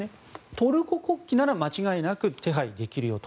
トルコ国旗なら間違いなく手配できるよと。